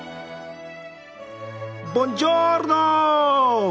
ボンジョルノー！